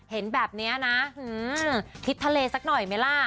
เห็นแบบนี้นะทิศทะเลสักหน่อยไหมล่ะ